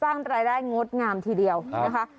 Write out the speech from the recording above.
สร้างรายได้งดงามทีเดียวนะคะ